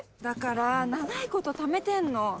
だから長いことためてんの。